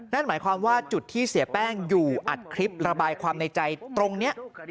นั่นหมายความว่าจุดที่เสียแป้งอยู่อัดคลิประบายความในใจตรงนี้